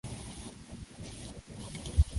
Kama mvua ishukavyo.